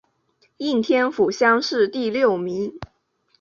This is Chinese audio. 应天府乡试第六名。